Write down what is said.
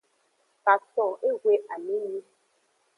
Katon ehwe amenyi.